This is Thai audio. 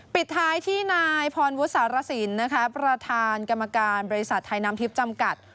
ปิดท้ายที่นายพรวุสารสินนะคะประธานกรรมการบริษัทไทยน้ำทิพย์จำกัด